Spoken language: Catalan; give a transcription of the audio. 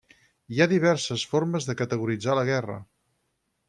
Hi ha diverses formes de categoritzar la guerra.